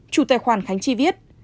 chủ tài khoản khánh chi viết